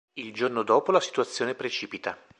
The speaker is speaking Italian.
Il giorno dopo la situazione precipita.